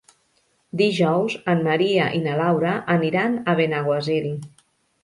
Dijous en Maria i na Laura aniran a Benaguasil.